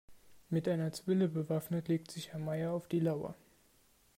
Mit einer Zwille bewaffnet legt sich Herr Meier auf die Lauer.